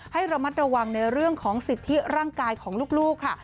ให้ระมัดระวังในเรื่องของสิทธิร่างกายของลูกค่ะ